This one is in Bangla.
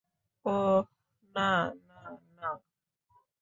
ওহ, না, না, না।